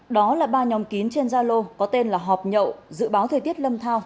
đó là ba nhóm kín trên gia lô có tên là họp nhậu dự báo thời tiết lâm thao